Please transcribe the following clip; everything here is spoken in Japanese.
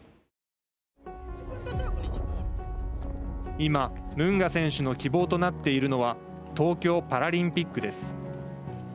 今、ムンガ選手の希望となっているのは東京パラリンピックです。